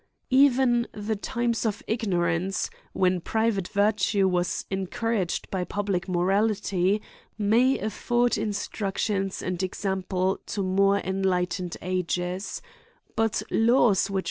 Even the timesofignorap.ee, when private vir tue was encouraged by public morality, may afford instruction and example to more enlightened ages^ But laws which.